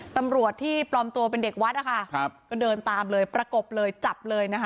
ตำรวจที่ปลอมตัวเป็นเด็กวัดนะคะครับก็เดินตามเลยประกบเลยจับเลยนะคะ